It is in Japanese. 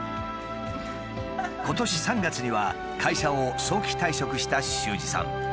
今年３月には会社を早期退職した秀司さん。